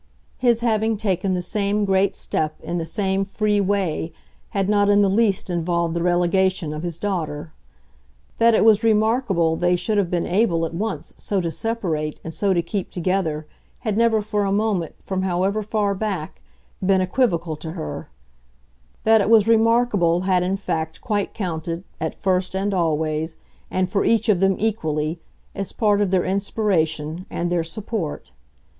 His having taken the same great step in the same free way had not in the least involved the relegation of his daughter. That it was remarkable they should have been able at once so to separate and so to keep together had never for a moment, from however far back, been equivocal to her; that it was remarkable had in fact quite counted, at first and always, and for each of them equally, as part of their inspiration and their support.